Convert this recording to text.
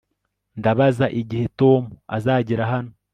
ndabaza igihe tom azagera hano